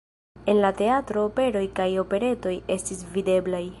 En la teatro operoj kaj operetoj estis videblaj.